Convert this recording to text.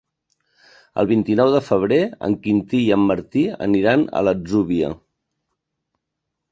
El vint-i-nou de febrer en Quintí i en Martí aniran a l'Atzúbia.